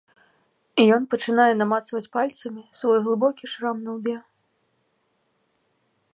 Ён пачынае намацваць пальцамі свой глыбокі шрам на лбе.